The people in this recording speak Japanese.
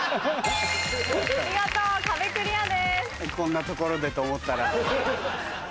見事壁クリアです。